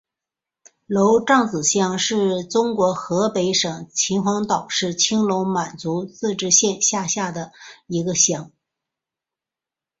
娄杖子乡是中国河北省秦皇岛市青龙满族自治县下辖的一个乡。